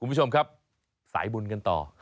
คุณผู้ชมครับสายบุญกันต่อ